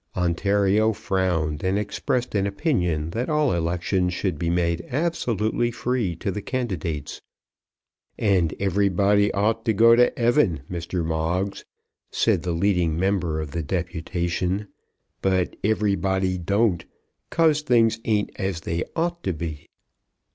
Ontario frowned and expressed an opinion that all elections should be made absolutely free to the candidates. "And everybody ought to go to 'eaven, Mr. Moggs," said the leading member of the deputation, "but everybody don't, 'cause things ain't as they ought to be."